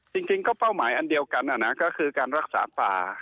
จริงก็เป้าหมายอันเดียวกันก็คือการรักษาป่า